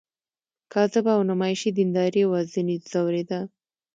کاذبه او نمایشي دینداري وه ځنې ځورېده.